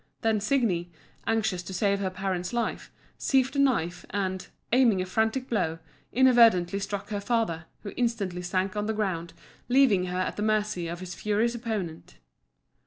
Then Signi, anxious to save her parent's life, seized a knife, and, aiming a frantic blow, inadvertently struck her father, who instantly sank on the ground, leaving her at the mercy of his furious opponent.